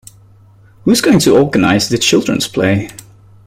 Who is going to organise the children's play?